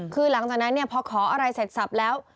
คือหลังจากนั้นพอขออะไรเสร็จสับแล้ว